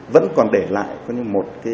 vẫn còn để lại một sợi dây quai mũ bảo hiểm